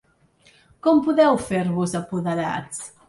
Com podeu fer-vos apoderats?